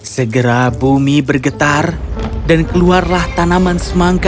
segera bumi bergetar dan keluarlah tanaman semangka